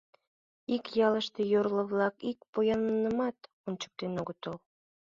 Ик ялыште йорло-влак ик поянымат ончыктен огытыл.